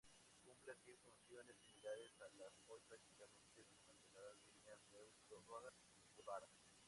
Cumple así funciones similares a la hoy prácticamente desmantelada línea Reus-Roda de Bará.